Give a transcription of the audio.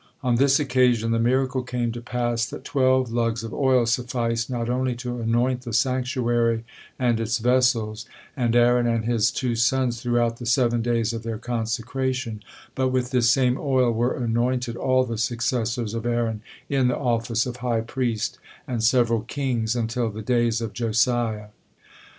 On this occasion the miracle came to pass that twelve lugs of oil sufficed not only to anoint the sanctuary and its vessels, and Aaron and his two sons throughout the seven days of their consecration, but with this same oil were anointed all the successors of Aaron in the office of high priest, and several kings until the days of Josiah.